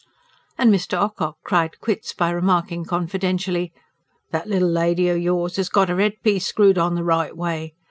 And Mr. Ocock cried quits by remarking confidentially: "That little lady o' yours 'as got 'er 'eadpiece screwed on the right way.